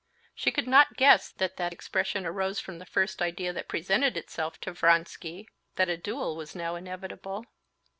She could not guess that that expression arose from the first idea that presented itself to Vronsky—that a duel was now inevitable.